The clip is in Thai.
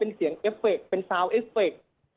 ตอนนี้ยังไม่ได้นะครับ